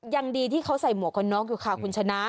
ยังดีที่เขาใส่หมวกกันน็อกอยู่ค่ะคุณชนะ